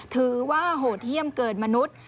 ถือว่าโหดเยี่ยมเกินมนุษย์